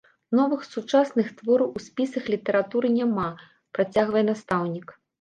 Новых сучасных твораў у спісах літаратуры няма, працягвае настаўнік.